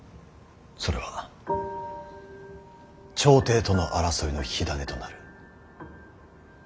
それは朝廷との争いの火種となる。